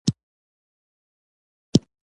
کورټیسول د وزن زیاتوالي لامل کېږي.